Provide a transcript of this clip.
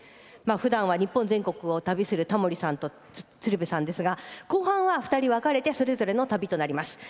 ふだんは日本全国を旅するタモリさんと鶴瓶さんですが後半は２人は別の旅となります。